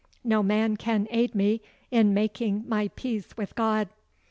No man can aid me in making my peace with God.